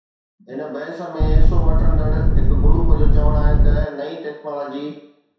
هن بحث ۾ حصو وٺندڙ هڪ گروپ جو چوڻ آهي ته نئين ٽيڪنالاجي